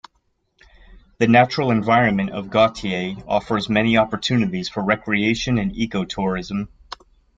The natural environment of Gautier offers many opportunities for recreation and eco-tourism.